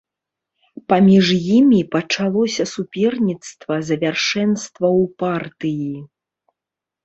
Паміж імі пачалося суперніцтва за вяршэнства ў партыі.